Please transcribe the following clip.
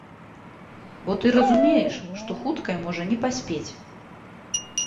Бо ты разумееш, што хуткая можа не паспець.